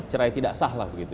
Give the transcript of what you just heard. cerai tidak sah lah